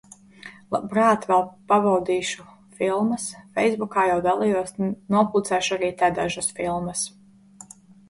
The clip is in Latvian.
Labprāt vēl pabaudīšus filmas. Feisbukā jau dalījos, nopublicēšu arī te dažas filmas.